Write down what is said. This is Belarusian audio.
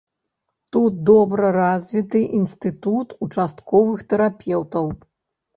Тут добра развіты інстытут участковых тэрапеўтаў.